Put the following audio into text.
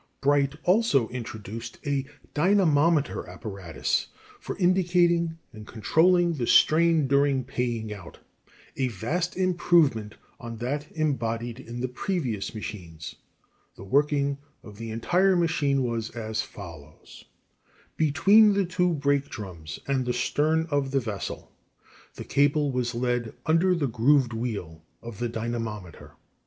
] Bright also introduced a dynamometer apparatus for indicating and controlling the strain during paying out a vast improvement on that embodied in the previous machines. The working of the entire machine was as follows: "Between the two brake drums and the stern of the vessel, the cable was led under the grooved wheel, O, of the dynamometer.